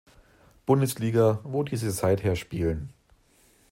Bundesliga, wo diese seither spielen.